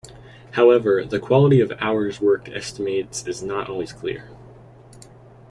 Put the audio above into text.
However, the quality of hours-worked estimates is not always clear.